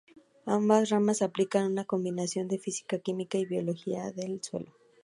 Ambos ramas aplican una combinación de física, química, y biología del suelo.